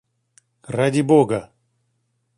Ради Бога!..